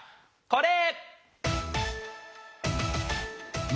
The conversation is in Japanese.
これ！